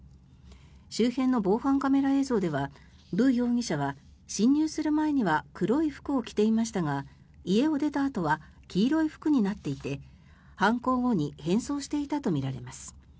周辺の防犯カメラ映像ではブ容疑者は侵入する前には黒い服を着ていましたが家を出たあとは黄色い服になっていて犯行後に変装していたとみられています。